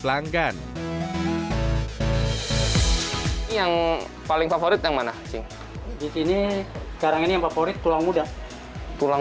pelanggan yang paling favorit yang mana sih disini sekarang ini yang favorit tulang muda tulang